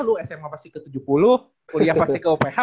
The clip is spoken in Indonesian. lu sma pasti ke tujuh puluh kuliah pasti ke uph